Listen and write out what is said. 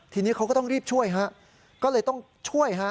ทีนี้เขาก็ต้องรีบช่วยฮะก็เลยต้องช่วยฮะ